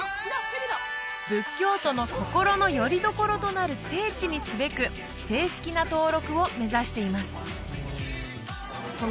仏教徒の心のよりどころとなる聖地にすべく正式な登録を目指しています